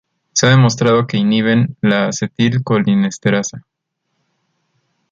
Se ha demostrado que inhiben la acetilcolinesterasa.